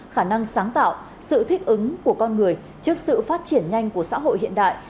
khả năng sáng tạo sự thích ứng của con người trước sự phát triển nhanh của xã hội hiện đại